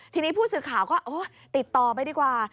ทีนี้ผู้สื่อข่าวก็ติดต่อไปดีกว่า